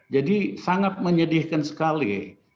jadi sangat menyedihkan sekali